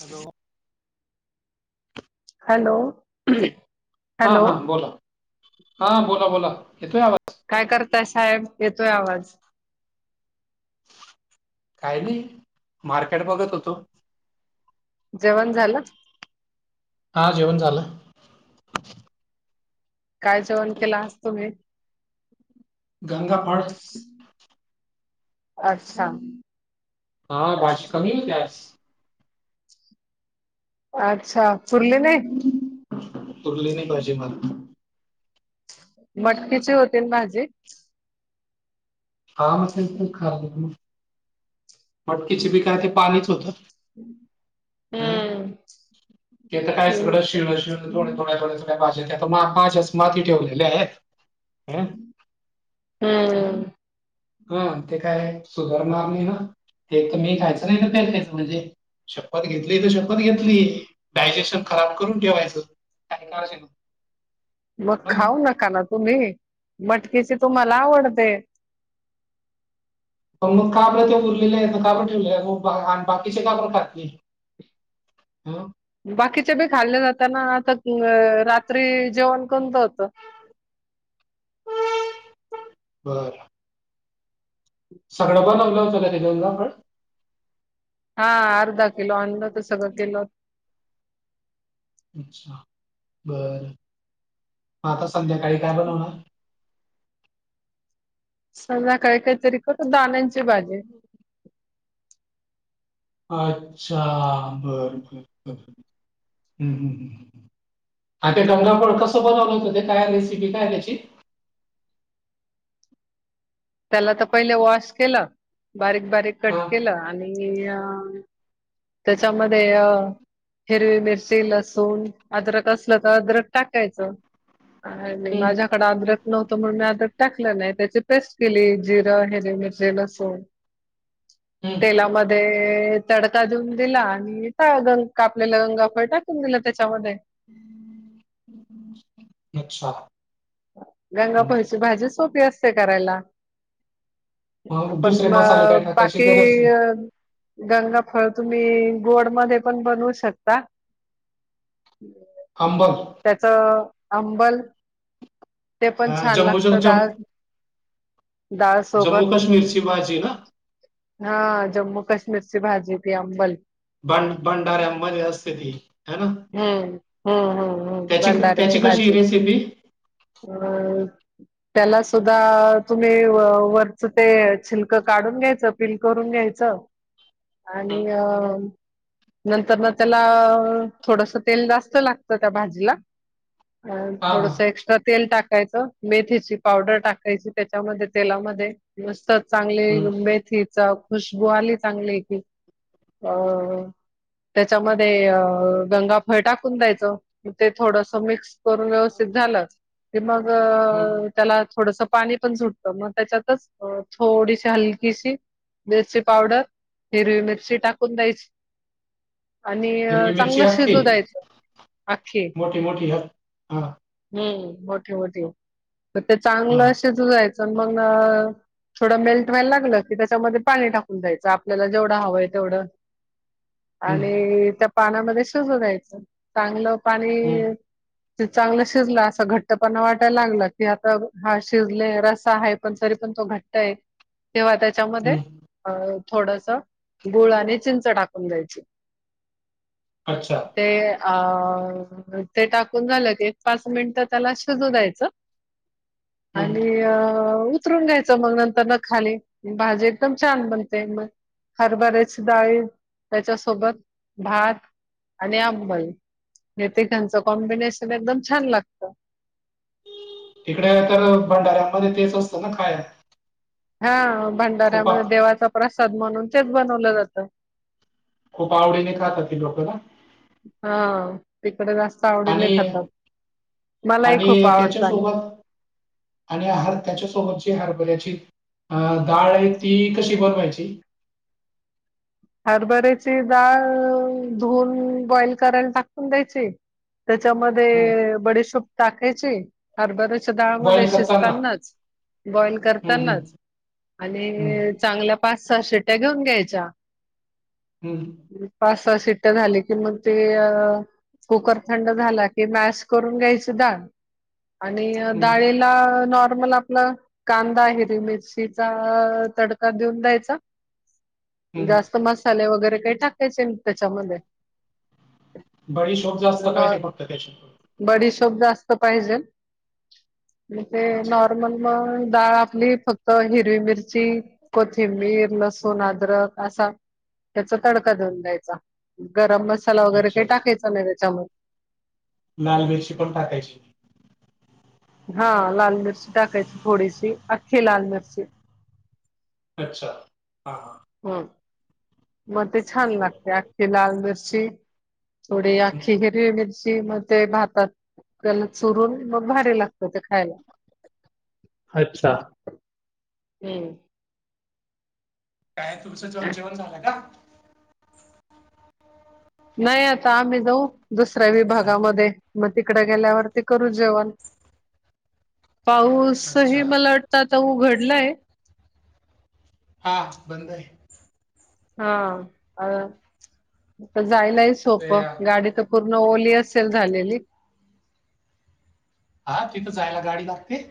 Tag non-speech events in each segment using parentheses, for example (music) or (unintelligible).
Hello! Hello! हा hello हा बोला हा बोला बोला येतोय आवाज. काय करताय साहेब? येतोय आवाज. काय नाही मार्केट बघत होतो. जेवण झालं. हा जेवण झालं. काय जेवण केलं आज तुम्ही? गंगापाड (unintelligible) अच्छा! हा भाजी कमी होती आजची. अच्छा! पुरली नाही. पुरली नाही भाजी मला. मटकीचे होती ना भाजी. हा (unintelligible) खा मग मटकीचे बी काय ते पाणीच होतं. हम्म ते तर काय सगळं ठीक आहे. शिळं शिळं (unintelligible) पा त्या भाज्या पाचच माती ठेवलेली आहेत. हम्म हा ते काय सुधरणार नाही ना, ते तर मी खायचं नाही ना परच म्हणजे, शपथ घेतली तर शपथ घेतली डायजेशन खराब करून ठेवायचं काय (unintelligible) मग हा ना? खाऊ नका ना तुम्ही मटकीची तुम्हाला आवडते. प मग काबरं ते उरलेले आहे काबं ठेवले म बाकीचे का बरं खातील. हम्म बाकीचे बी खाल्ल्या जाताना आता रात्री जेवण कोणत होत. बरं सगळं बनवल होत का त पण (inaudible) हा अर्धा किलो आनलं होत सगळं केलं. अच्छा! बरं आता संध्याकाळी काय बनवणार? संध्याकाळी काहीतरी करू दाण्यांची भाजी. हो (inaudible) अच्छा! बर बर बरं हम्म हम्म आ ते गंगाफळ कसं बनवलं होते काय रेसिपी काय त्याची. त्याला आता पहिले वॉश केलं बारीक बारीक कट हा केलं आणि त्यांच्यामध्ये अ हिरवी मिरची लसूण अदरक असलं तर अदरक टाकायचं. हं, माझ्याकडे आदरक नव्हतं म्हणून मी आदरक टाकलं नाही. त्याची पेस्ट किली जिरं हिरवी मिरची लसून हं. तेलामध्ये ते तडका देऊन दिला आणि ट गंग कापलेला गंगा फळ टाकून दिलं त्यांच्यामध्ये. अच्छा! गंगा हं. फळ ची भाजी सोपी असते करायला. मग पण दुसरे म मसाले काय टाकायची बाकी गरज नाही अ गंगा फळ तुम्ही गोड मध्ये पण बनवू शकता. आंबल त्याच आंबल ते पण अं, छान जम्मू लागत जम डाळ- डाळ जम्मू सोबत काश्मीरची भाजी का. हा जम्मू काश्मीर भाजी ती अंबल. भं- भंडाऱ्यांमध्ये असते ती, ह ना? हम्म. हम्म हम्म हम्म त्याची, भंडाऱ्याची त्याची कशी भाजी रेसिपी? अ, त्याला सुद्धा तुम्ही वरच ते शिल्क काढून घ्यायचं पिल करून घ्यायचं. हं, आणि नंतर ना त्याला थोडस तेल जास्त लागतं. त्या भाजीला अ हां, थोडस हां. एक्स्ट्रा तेल टाकायचं. मेथीची पावडर टाकायची त्याच्यामध्ये तेलामध्ये मस्त चांगली हं, मेथी खुशबू आली चांगली की, अ त्याच्यामध्ये गंगा फळ टाकून द्यायचं. ते थोडस मिक्स करून व्यवस्थित झालं, की मग हं. त्याला थोडस पाणी पण सुटतं, मग त्याच्यातच थोडीशी हलकीशी मिरची पावडर, हिरवी मिरची टाकून द्यायची. आणि हिरवी मिरची चांगलं अख्खी? शिजू द्यायचं. मोठी- मोठी घ्या. हा हम्, मोठी -मोठी मग ते हां. चांगलं शिजू द्यायचं मग थोडं मेल्ट व्हायला लागलं की, त्याच्यामध्ये पाणी टाकून द्यायचं आपल्याला जेवढं हवंय तेवढं. हं, आणि त्या पाण्यामध्ये शिजू द्यायचं. चांगलं पाणी हं, (inaudible) ते चांगलं शिजलं असं घट्टपणा वाटायला लागला की, आता हा शिजले रस्सा आहे पण सरी पण तो घट्ट ट्ट आहे तेव्हा त्याच्यामध्ये हं. अ थोडसं गुळ आणि चिंच टाकून द्यायची. अच्छा. ते अं, ते टाकून झालं की एक पाच मिनिटं त्याला शिजू द्यायचं. हं. आणि अ उतरून घ्यायचं. मग नंतर न खाली भाजी एकदम छान बनते. मग हरभऱ्याची डाळी त्याच्यासोबत भात आणि अंबल. ते त्याचं कॉम्बिनेशन एकदम छान लागतं. तिकडे तर भंडाऱ्यांमध्ये तेच असतं ना खायला? हा खूप आ भंडाऱ्यामध्ये देवाचा प्रसाद म्हणून तेच बनवलं जातं. खूप आवडीने खातात ती लोकं ना? हा तिकडं जास्त आवडीने आणि खातात. मलाही आणि आवडत आणि त्याच्यासोबत आणि हार त्याच्यासोबतची हरभऱ्याची अ डाळ आहे ती कशी बनवायची? हरबरीची डाळ धुवून बॉइल करायला टाकून द्यायची. हं. त्याच्यामध्ये बडीशोप टाकायची. हरभऱ्याच्या डाळमध्ये बॉईल करताना? शिजतानाच, बॉईल हं, हं, करतानाच. आणि हं, चांगल्या पाच सहा शिट्या घेऊन घ्यायच्या. हूं. पाच सहा शिट्ट्या झाली कि मग ते कुकर थंड झाला कि मॅश करून घ्यायची डाळ, आणि हं, डाळीला नॉर्मल आपलं कांदा हिरवी मिरचीचा तडका देऊन द्यायचा. हं. जास्त मसाले वगैरे काही टाकायचे नाहित त्याच्यामध्ये. बडीशोप जास्त नॉ पाहिजे फक्त त्याच्यात. बडीशोप जास्त पाहिजेल, मग तेे अच्छा, नॉर्मल मूग डाळ आपली फक्त हिरवी मिरची. कोथिंबीर, लसूण, आदरक असा त्याचा तडका देऊन द्यायचा, गरम मसाला वगैरे काही अच्छा. टाकायचा नाही त्याच्यामध्ये. लाल मिरची पण टाकायची. हा लाल मिरची टाकायची थोडीशी, अख्खी लाल मिरची. अच्छा, हां हां. हा. मग ते छान लागतंय अख्खी लाल मिरची थोडी हं. आख्खी हं. हिरवी मिर ची मग ते भातात. घालून चुरून, मग भारी लागतं ते खायला. अच्छा. हूं. काय तुमचं ज-जेवण झालं का? नाही आता आम्ही जाऊ, दुसऱ्या हां. विभागामध्ये. मग तिकडं गेल्यावरती करू जेवण, पाऊस हि अच्छा. म (unintelligible) ता आता उघडलंय. हा बंद आहे. हा अ, तर जायलाही ते सोपं अ, गाडी तर पूर्ण ओली असेल झालेली. हा तिथं जायला गाडी लागते?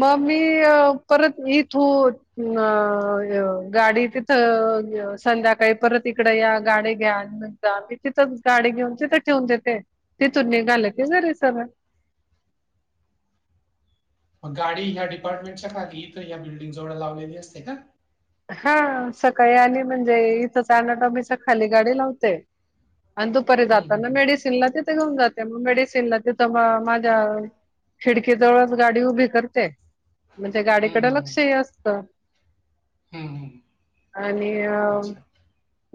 मग मी परत इथून अ अ गाडी तिथं संध्याकाळी परत इकडे या गाडी घ्या गावी तिथंच गाडी घेऊन तिथं ठेवून देते, तिथून निघाल की घरी सरळ. मग गाडी ह्या डिपार्टमेंटच्या खाली तर ह्या बिल्डिंगजवळ लावलेली असते का? हा सकाळी आली म्हणजे इथंच (unintelligible) टॉकीजच्या खाली गाडी लावते. आणि दुपारी हं, हं, जाताना हं. मिेडी सिनला तिथे घेऊन जाते मग, मेडिसिन ला तिथं मग माझ्या खिडकीजवळच गाडी उभी करते म्हणजे हं, गाडीकडे हं, लक्षही असतं. हम्म हम्. आणि अ,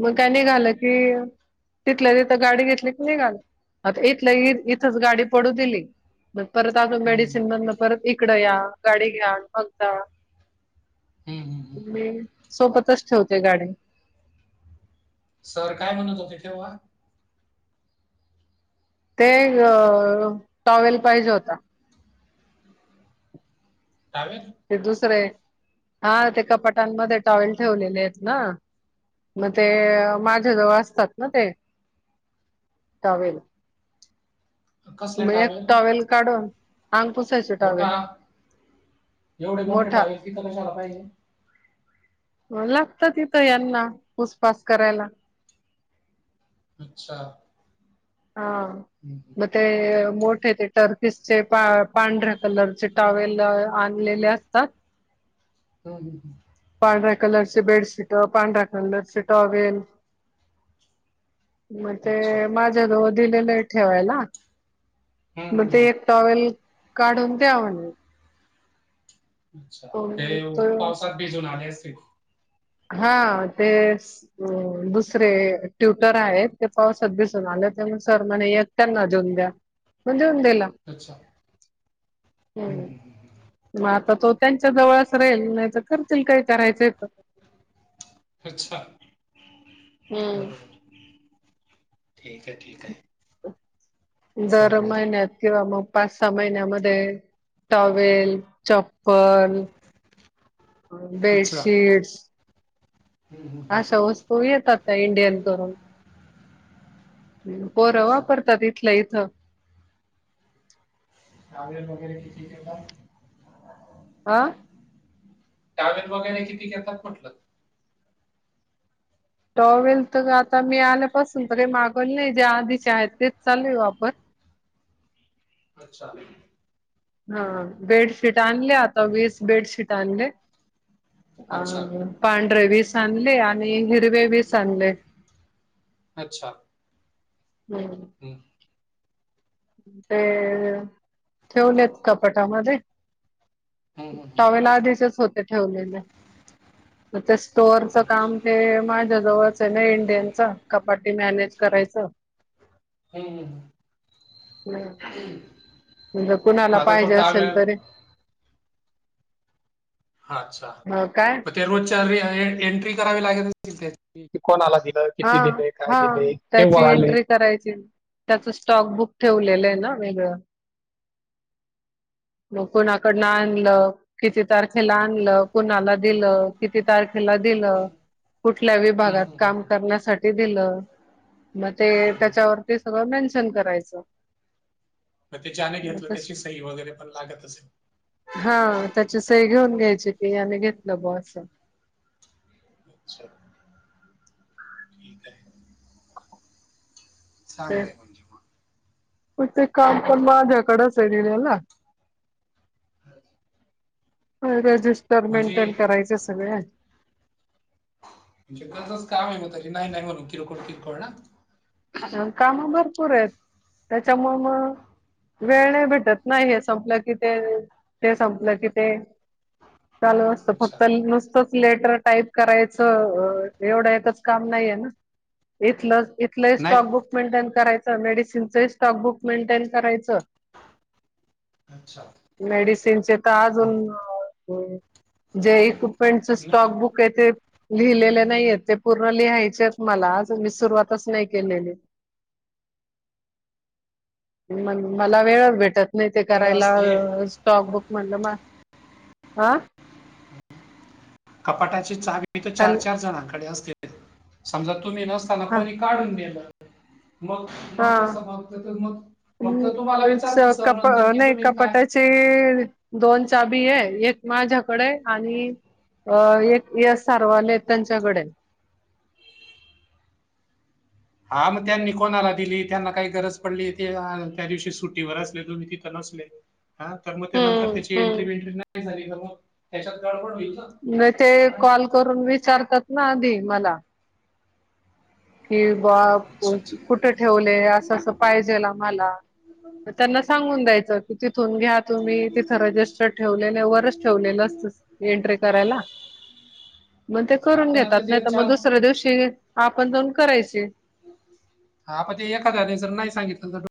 मग काय निघालं की तिथल्या तिथं गाडी घेतली की निघाले, आता इथल्या इथंच गाडी पडू दिली मग परत आजून हं, हं. मेडिसिन मधून परत इकडं या, गाडी घ्या, मग जा. हं, हं, हं. हं. मी, सोबतच ठेवते गाडी. सर काय म्हणत होते तेव्हा? ते ह्य, टाॅवेल पाहिजे होता. टावेल? ते दुसरेत, हा ते कपाटांमध्ये टॉवेल ठेवलेले आहेत ना. मग ते माझ्याजवळ असतात ना ते! टॉवेल. मग एक टॉवेल काढून आंग पुसायचा मोठा टॉवेल, मोठा तिथ कशाला पाहिजे? अ लागतात तिथं यांना, पुस पास करायला. अच्छा! अ हं, हं. म ते, मोठे टर्कीसचे पा-पांढऱ्या कलरचे टॉवेल आणलेले असतात. (inaudible) हम पांढऱ्या कलरचे बेडशीट, पांढऱ्या कलरचे टॉवेल (inaudible) मग ते हं. अच्छा. माझ्या जवळ दिलेलय ठेवायला, हं, मग हं, हं. ते टॉवेल काढून द्या (unintelligible) अच्छा! ते पावसात भिजून आले असतील हा, ते अ दुसरे ट्युटर आहेत, ते पावसात भिजून आले त्यामुळे सर म्हणे यक त्यांना देऊन द्या, मग देऊन दिला. अच्छा! हम्म हम्म हम्म म आता तो त्यांच्या जवळच राहील, नाही तर करतील काय करायच तर अच्छा! हम्म. बरोबर ठीक ये ठीक ये दर महिन्यात किंवा मग पाच सहा महिन्यामध्ये टॉवेल चप पल, बेडशीट्स हम्म हम्म अशा वस्तू येतात त्या इंडियन करून पोर अच्छा. वापरतात इथल्या इथ टॉवेल वगैरे कितीत येतात? आ? टावेल वगैरे किती क येतात म्हटल? टॉवेल तर आता मी आल्यापासून त काही मागवल नाही, जे आधीचे आहेत तेच चालुय वापर अच्छा! हा बेडशीट आणले आता, वीस बेडशीट आणले अ, अच्छा. पांढरे वीस आणले आणि हिरवे वीस आणले. अच्छा! हम (unintelligible) ते ठेवलेत कपटामध्ये हं, हं, हं. टॉवेल आधीचेच होते ठेवलेले ते स्टोअरच काम अच्छा. हे माझ्याजवळच आहे ना, इंडियनच कपाटी मॅनेज करायच. हम्म हम (inaudible) (unintelligible) म्हणजे मग कुणाला आता तो पाइजे असेल टावेल तरी अच्छा! ह काय? ते रोजच्या (unintelligible) एंट्री करावी लागेल तिथ की कोणाला दिल? हा किती दिलय, काय हा दिलय, त्याची केव्हा आले? एंट्री करायची, त्याच स्टॉक बुक ठेवलेलये ना वेगळ. मग कुणाकडन आणल? किती तारखेला आणल? कुणाला दिल? किती तारखे खेला दिल? हं, कुठल्या हं, विभगात हं, हं, काम हं. करण्यासाठी दिल? म ते त्याच्यावरती सगळ मेन्शन करायच मग ते ज्याने घेतल त्याची सही वगैरे पण लागत असेल हा त्याची सई घेऊन घ्यायची की याने घेतल बॉ अस (unintelligible) ठीकये चांगलंय म्हणजे मग. प्रत्येक काम पण माझ्याकडे आहे ना रेजिस्टर म्हणजे मेंटेन करायच सगळ्या म्हणे गरजच काम आहे मग त्याची नाही नाही म्हणू किरकोळ किरकोळ ना हा, काम भरपूर आहेत त्याच्यामुळ मग वेळ नाही भेटत नाही, हे संपलं की ते, ते संपलं की ते,, चालू असतं अच्छा फक्त नुसतच लेटर टाईप करायचं एवढा एकच काम नाहीये ना, इथलं नाही स्टॉकबुक मेंटेन करायचं, मेडिसिनचं स्टॉकबुक मेंटेन करायचं अच्छा मेडिसिनचे तर अजून, जे फ्रॆडस्टॉक बुक काही ते लिहिलेल नाहीये ते पूर्ण लिहायचे मला अजून मी सुरुवातच नाही मला वेळच भेटत नाही ते, कडे करायला असते स्टॉक बुक म्हणलं म हा कपाटाची चावी तर हॅल चार-चार जणांकडे असते, समजा तुम्ही नसताना हा कोणी काढून नेलं मग, मग, हा कस मग, मग, मग तुम्हाला विचारतील सर नंतर की तुम्ही काय ते दोन चावी आहे, एक माझाकडे आहे आणि,, अ, एक यश सारवाले त्यांच्याकडे आहे हा मग त्यांनी कोणाला दिली त्यांना काही गरज पडली ते त्या दिवशी सुटीवर असले दोन्ही तिथं नसले हा तर मग, त्या नंतर हम्म त्याची हम्म. एंट्री बेंट्री नाही झाली तर मग त्याच्यात गडबड होईल ना मग ते हा. कॉल करून विचारतात ना आधी मला कि बा, अच्छा अच्छा. कुठे ठेवले असं अस पाहिजेल मला त्यांना सांगून द्यायचं की तिथून घ्या तुम्ही तिथं रजिस्टर ठेवलेले वरच ठेवलेलं असत एंट्री करायला मग ते, हा करून पण आता घेतात जे नाही तर मग चाल दुसऱ्या दिवशी आपण जाऊन करायचे हा, पण ते एखाद्याने जर नाही सांगितलं तर